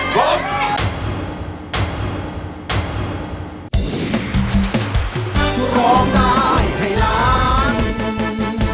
คุณหนุ่ย